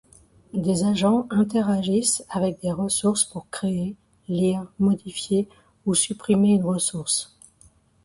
Des agents interagissent avec des ressources pour créer, lire, modifier ou supprimer une ressource.